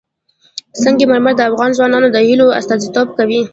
سنگ مرمر د افغان ځوانانو د هیلو استازیتوب کوي.